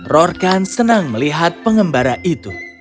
rorkan senang melihat pengembara itu